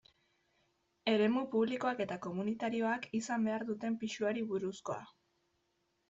Eremu publikoak eta komunitarioak izan behar duten pisuari buruzkoa.